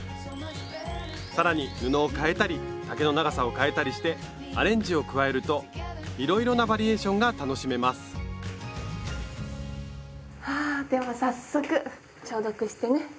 更に布を変えたり丈の長さを変えたりしてアレンジを加えるといろいろなバリエーションが楽しめますはでは早速消毒してね。